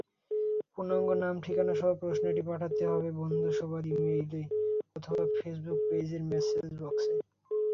পূর্ণাঙ্গ নাম-ঠিকানাসহ প্রশ্নটি পাঠাতে হবে বন্ধুসভার ই-মেইল অথবা ফেসবুক পেজের মেসেজ বক্সে।